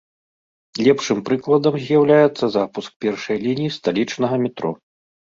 Лепшым прыкладам з'яўляецца запуск першай лініі сталічнага метро.